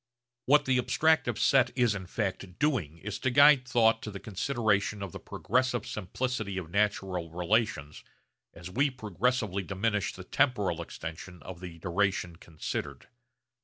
What the abstractive set is in fact doing is to guide thought to the consideration of the progressive simplicity of natural relations as we progressively diminish the temporal extension of the duration considered.